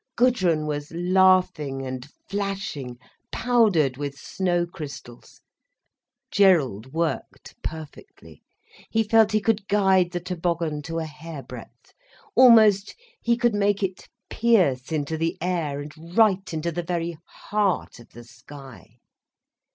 Gudrun was laughing and flashing, powdered with snow crystals, Gerald worked perfectly. He felt he could guide the toboggan to a hair breadth, almost he could make it pierce into the air and right into the very heart of the sky.